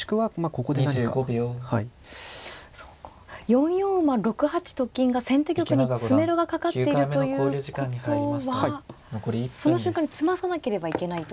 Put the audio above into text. ４四馬６八と金が先手玉に詰めろがかかっているということはその瞬間に詰まさなければいけないということに。